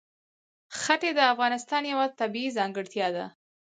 ښتې د افغانستان یوه طبیعي ځانګړتیا ده.